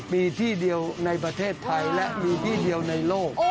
มีที่เดียวในประเทศไทยและมีที่เดียวในโลก